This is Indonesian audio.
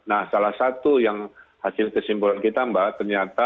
nah salah satu yang hasil kesimpulan kita mbak ternyata